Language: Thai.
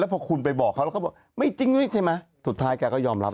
พอคุณไปบอกเขาแล้วเขาบอกไม่จริงใช่ไหมสุดท้ายแกก็ยอมรับ